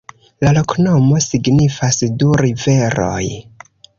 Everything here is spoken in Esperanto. La loknomo signifas: du riveroj.